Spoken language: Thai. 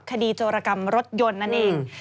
โจรกรรมรถยนต์นั่นเอง